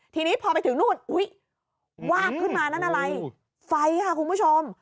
ทีนี้พอไปถึงนู่นอุ้ยวาบขึ้นมานั่นอะไรไฟค่ะคุณผู้ชม